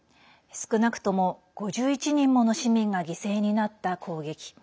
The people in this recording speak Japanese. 少なくとも５１人もの市民が犠牲になった攻撃。